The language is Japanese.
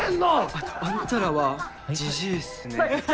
あとあんたらはジジイっすねはい？